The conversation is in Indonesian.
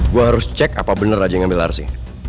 gue harus cek apa bener raja yang ngambil arsi